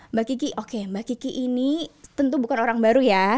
mbak kiki oke mbak kiki ini tentu bukan orang baru ya